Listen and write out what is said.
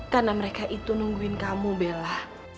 karena mereka itu nungguin kamu bella